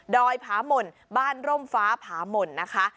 อยผาหม่นบ้านร่มฟ้าผาหม่นนะคะ